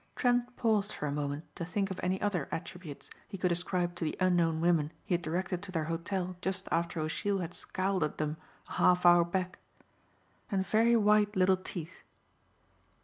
Trent paused for a moment to think of any other attributes he could ascribe to the unknown women he had directed to their hotel just after O'Sheill had scowled at them a half hour back. "And very white little teeth."